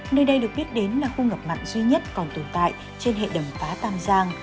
nơi đây được biết đến là khu ngập mặn duy nhất còn tồn tại trên hệ đầm phá tam giang